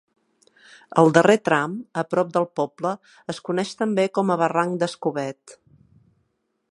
El darrer tram, a prop del poble, es coneix també com a barranc d'Escobet.